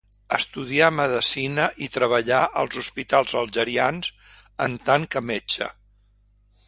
Estudià Medicina i treballà als hospitals algerians en tant que metge.